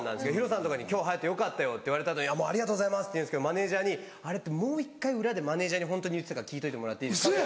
ＨＩＲＯさんとかに「今日隼よかったよ」って言われた後に「ありがとうございます」って言うんですけどマネジャーに「あれってもう１回裏でホントに言ってたか聞いといてもらっていいですか」。